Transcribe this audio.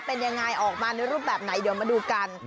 เป็นยังไงออกมาในรูปแบบไหนเดี๋ยวมาดูกัน